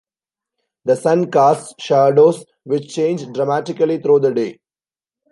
The sun casts shadows which change dramatically through the day.